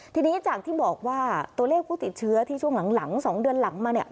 ทีนี้จากที่บอกว่าตัวเลขผู้ติดเชื้อที่ช่วงหลัง๒เดือนหลังมาเนี่ย